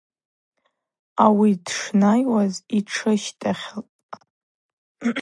Ауи дшнайуаз йтшы щтахьла ахӏ йшӏуна йайрыгван ашв лнайыржватӏ.